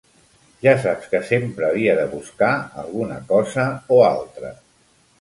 Ja saps que sempre havia de buscar alguna cosa o altra.